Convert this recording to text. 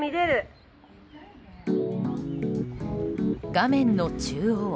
画面の中央。